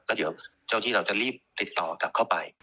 ก็เดี๋ยวเจ้าที่เราจะรีบติดต่อกลับเข้าไป